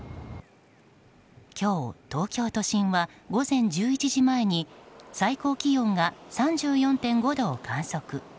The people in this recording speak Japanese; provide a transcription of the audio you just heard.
今日、東京都心は午前１１時前に最高気温が３４．５度を観測。